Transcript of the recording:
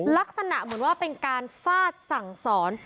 ลักษณะเหมือนว่าเป็นการฟาดสั่งสอน